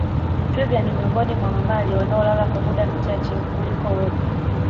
Twiga ni miongoni mwa mamalia wanaolala kwa muda mchache kuliko wote